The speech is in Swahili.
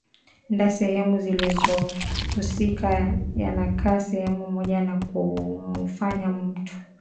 nda sehemu zinazohusika yanakaa sehemu moja na kumufanya mtu